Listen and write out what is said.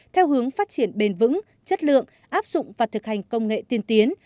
theo hướng phát triển bền vững chất lượng áp dụng và thực hành công nghệ tiên tiến